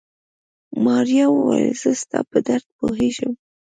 ماريا وويل زه ستا په درد پوهېږم.